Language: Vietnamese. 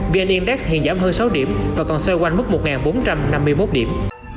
vn index hiện giảm hơn sáu điểm và còn xoay quanh mức một bốn trăm năm mươi một điểm